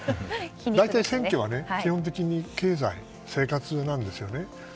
大体、選挙は基本的に経済、生活なんですよね。